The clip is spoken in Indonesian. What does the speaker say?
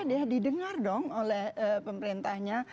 dia didengar dong oleh pemerintahnya